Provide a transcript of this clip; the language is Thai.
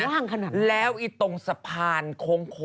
ว่างขนาดนั้นแล้วอีตรงสะพานโค้ง